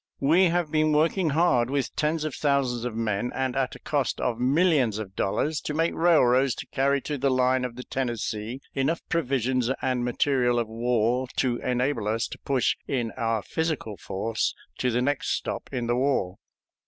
We have been working hard with tens of thousands of men, and at a cost of millions of dollars, to make railroads to carry to the line of the Tennessee enough provisions and material of war to enable us to push in our physical force to the next stop in the war.